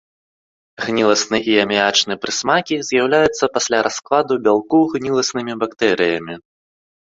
Гніласны і аміячны прысмакі з'яўляюцца пасля раскладу бялку гніласнымі бактэрыямі.